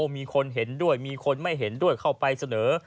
มีคนเห็นด้วยมีคนไม่เห็นด้วยเข้าไปเสนอ